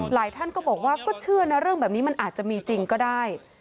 ท่านก็บอกว่าก็เชื่อนะเรื่องแบบนี้มันอาจจะมีจริงก็ได้